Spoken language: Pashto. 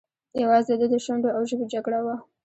یوازې د ده د شونډو او ژبې جګړه وه.